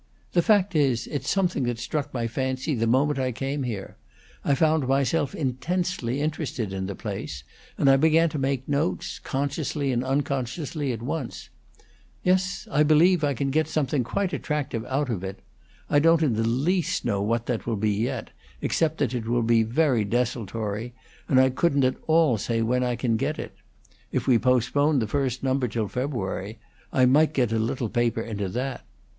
"The fact is, it's something that struck my fancy the moment I came here; I found myself intensely interested in the place, and I began to make notes, consciously and unconsciously, at once. Yes, I believe I can get something quite attractive out of it. I don't in the least know what it will be yet, except that it will be very desultory; and I couldn't at all say when I can get at it. If we postpone the first number till February I might get a little paper into that.